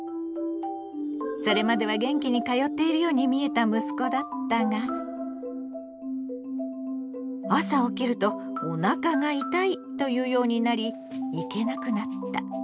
それまでは元気に通っているように見えた息子だったが朝起きると「おなかが痛い」と言うようになり行けなくなった。